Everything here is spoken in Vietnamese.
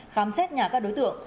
khám xét nhà các đối tượng